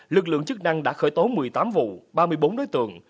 lực lượng chức năng đã khởi tố một mươi tám vụ ba mươi bốn đối tượng